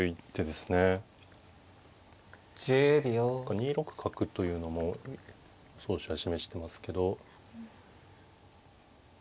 ２六角というのも予想手は示してますけど。